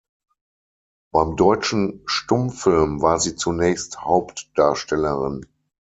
Beim deutschen Stummfilm war sie zunächst Hauptdarstellerin.